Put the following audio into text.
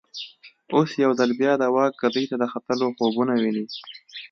اوس یو ځل بیا د واک ګدۍ ته د ختلو خوبونه ویني.